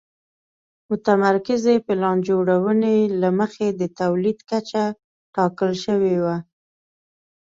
متمرکزې پلان جوړونې له مخې د تولید کچه ټاکل شوې وه.